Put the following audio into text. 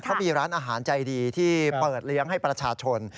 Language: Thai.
เขามีร้านอาหารใจดีที่เปิดเลี้ยงให้ประชาชน